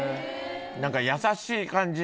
何かやさしい感じ。